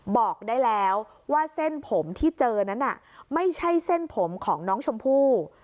บอกได้แล้วว่าเส้นผมที่เจอนั้นไม่ใช่เส้นผมของน้องชมพู่